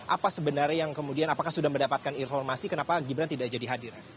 apa sebenarnya yang kemudian apakah sudah mendapatkan informasi kenapa gibran tidak jadi hadir